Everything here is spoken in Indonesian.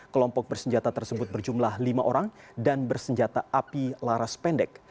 kelompok bersenjata tersebut berjumlah lima orang dan bersenjata api laras pendek